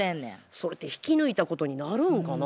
それって引き抜いたことになるのかな？